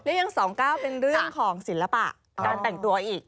แล้วยัง๒๙เป็นเรื่องของศิลปะการแต่งตัวอีก